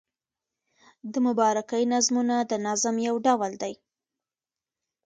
د مبارکۍ نظمونه د نظم یو ډول دﺉ.